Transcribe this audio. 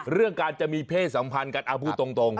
เรื่องการจะมีเพศสัมพันธ์กันพูดตรง